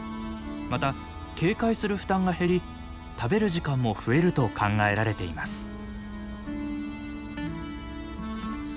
また警戒する負担が減り食べる時間も増えると考えられています。